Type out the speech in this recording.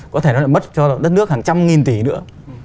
có thể nó lại mất cho đất nước hàng trăm nghìn tỷ nữa